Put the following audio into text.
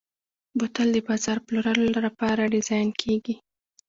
بوتل د بازار پلورلو لپاره ډیزاین کېږي.